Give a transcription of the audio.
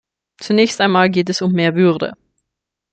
Zunächst einmal geht es um mehr Würde.